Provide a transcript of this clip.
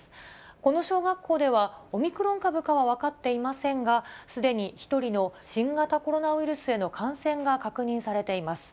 この小学校ではオミクロン株かは分かっていませんが、すでに１人の新型コロナウイルスへの感染が確認されています。